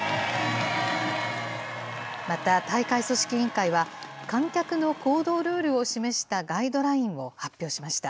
また、大会組織委員会は、観客の行動ルールを示したガイドラインを発表しました。